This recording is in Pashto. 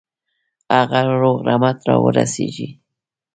هغه روغ رمټ را ورسوي.